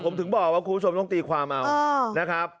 ผมถึงบอกว่าคุณผู้ชมต้องตีความเอานะครับ